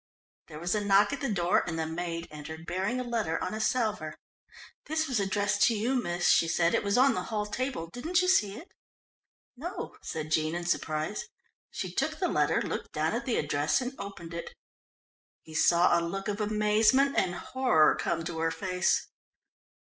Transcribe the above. There was a knock at the door and the maid entered bearing a letter on a salver. "This was addressed to you, miss," she said. "It was on the hall table didn't you see it?" "No," said Jean in surprise. She took the letter, looked down at the address and opened it. He saw a look of amazement and horror come to her face.